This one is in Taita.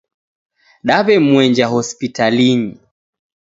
Daw'emwenja Hospitalinyi